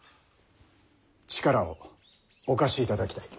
力をお貸しいただきたい。